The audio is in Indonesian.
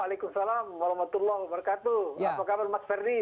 waalaikumsalam walau matuloh wabarakatuh apa kabar mas ferdi